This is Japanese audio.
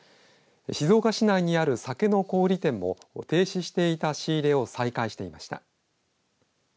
静岡市内にある酒の小売店も停止していた仕入れを再開していました。